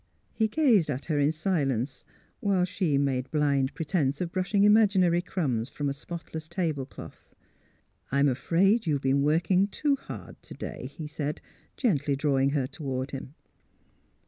He gazed at her in silence, while she made blind pretence of brushing imaginary crumbs from a spotless tablecloth. '^ I'm afraid you've been working too hard to THE CONFESSION 247 day," he said, gently drawing her toward him.